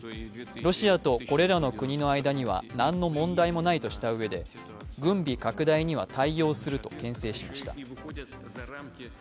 ロシアとこれらの国の間には何の問題もないとしたうえで軍備拡大には対応するとけん制しました。